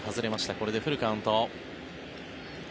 これでフルカウント。